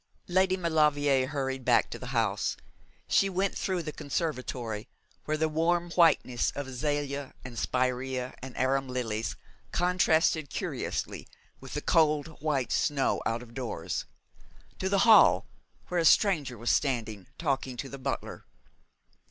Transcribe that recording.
Lady Maulevrier hurried back to the house. She went through the conservatory, where the warm whiteness of azalia, and spirea, and arum lilies contrasted curiously with the cold white snow out of doors, to the hall, where a stranger was standing talking to the butler.